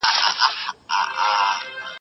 که وخت وي، کاغذ ترتيب کوم.